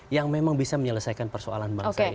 yang memang bisa menyelesaikan persoalan